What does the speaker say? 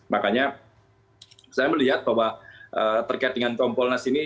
makanya saya melihat bahwa terkait dengan kompolnas ini